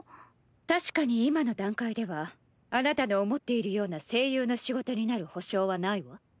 確かに今の段階ではあなたの思っているような声優の仕事になる保証はないわ。